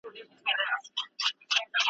لکه خروښ د شګوفو د پسرلیو .